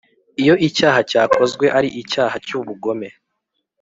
Iyo icyaha cyakozwe ari icyaha cy ubugome